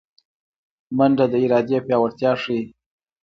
منډه د ارادې پیاوړتیا ښيي